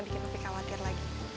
bikin pak fi khawatir lagi